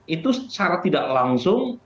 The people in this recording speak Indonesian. itu secara tidak langsung